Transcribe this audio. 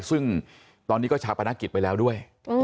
ซึ่งตอนนี้ก็ชาปนกิจไปแล้วด้วย